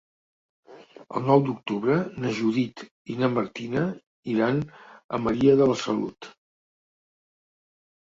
El nou d'octubre na Judit i na Martina iran a Maria de la Salut.